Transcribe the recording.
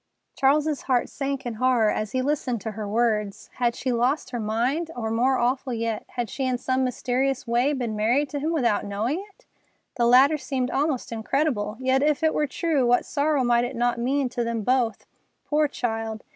Charles's heart sank in horror as he listened to her words. Had she lost her mind, or, more awful yet, had she in some mysterious way been married to him without knowing it? The latter seemed almost incredible, yet if it were true, what sorrow might it not mean to them both! Poor child!